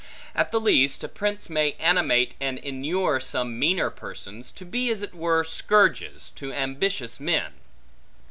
At the least, a prince may animate and inure some meaner persons, to be as it were scourges, to ambitious men.